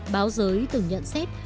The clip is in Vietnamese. báo giới từng nhận xét